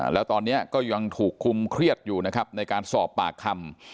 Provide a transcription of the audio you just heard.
แล้วตอนนี้ก็ยังถูกคุมเครียดอยู่นะครับในการสอบปากคำ